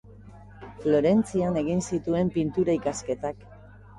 Florentzian egin zituen pintura ikasketak.